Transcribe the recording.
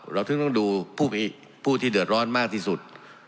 ถึงต้องดูผู้ที่เดือดร้อนมากที่สุด